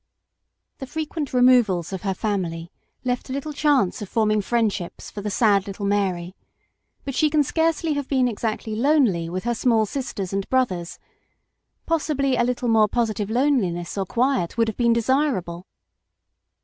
The frequent removals of her family left little chance of forming friendships for the sad little Mary ; but she can scarcely have been exactly lonely with her small sisters and brothers, possibly a little more positive loneliness or quiet would have been desirable.